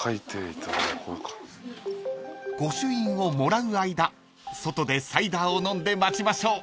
［御朱印をもらう間外でサイダーを飲んで待ちましょう］